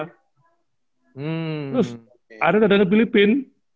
terus akhirnya datangnya filipina